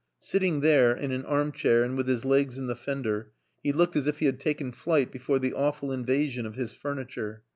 Sitting there, in an arm chair and with his legs in the fender, he looked as if he had taken flight before the awful invasion of his furniture.